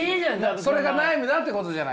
それが悩みだってことじゃないすか。